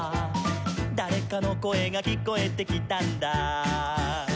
「だれかのこえがきこえてきたんだ」